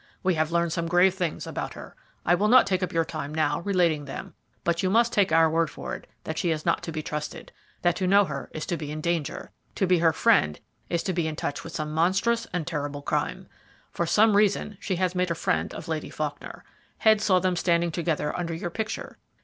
We have learned some grave things about her. I will not take up your time now relating them, but you must take our word for it that she is not to be trusted that to know her is to be in danger to be her friend is to be in touch with some monstrous and terrible crime. For some reason she has made a friend of Lady Faulkner. Head saw them standing together under your picture.